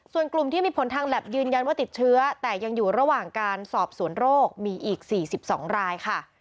ส่วนกลุ่มที่มีผลทางแล็บยืนยันว่าติดเชื้อแต่ยังอยู่ระหว่างการสอบสวนโรคมีอีก๔๒รายค่ะ